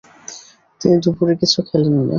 তিনি দুপুরে কিছু খেলেন না।